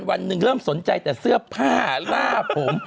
วันนึงแบบว่าสนใจแต่เสื้อผ้าหน้าผม